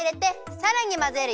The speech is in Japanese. さらにまぜる。